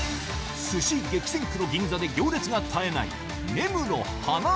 寿司激戦区の銀座で行列が絶えない